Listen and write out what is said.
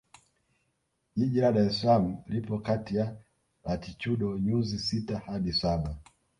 Jiji la Dar es Salaam lipo kati ya Latitudo nyuzi sita hadi saba